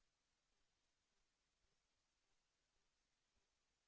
โปรดติดตามต่อไป